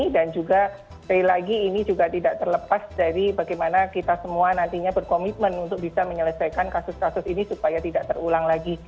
dan juga sekali lagi ini juga tidak terlepas dari bagaimana kita semua nantinya berkomitmen untuk bisa menyelesaikan kasus kasus ini supaya tidak terulang lagi